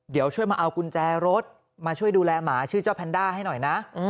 เดี๋ยวช่วยมาเอากุญแจรถมาช่วยดูแลหมาชื่อเจ้าแพนด้าให้หน่อยนะ